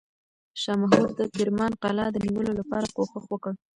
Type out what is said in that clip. شاه محمود د کرمان قلعه د نیولو لپاره کوښښ وکړ.